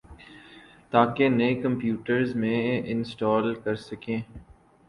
تاکہ نئی کمپیوٹرز میں انسٹال کر سکیں